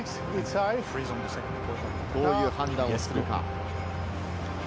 どういう判断をするか。